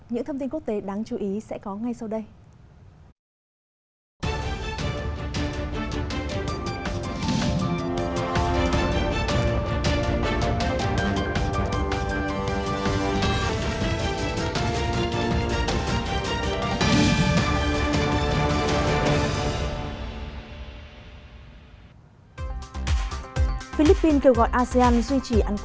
những thông tin quốc tế đáng chú ý sẽ có ngay sau đây